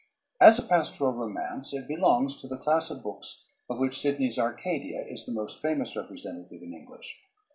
_ As a pastoral romance it belongs to the class of books of which Sidney's' "Arcadia" is the most famous representative in English.